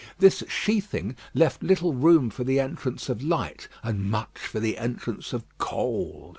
This sheathing left little room for the entrance of light and much for the entrance of cold.